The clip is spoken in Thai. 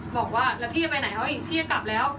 บอกว่าพี่จะไปไหนพี่จะกลับแล้ว